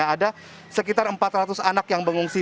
ada sekitar empat ratus anak yang mengungsi